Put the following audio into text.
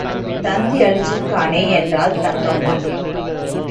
தந்தி அடிச்சிருக்கானே என்றாள் தங்கம்மாள்.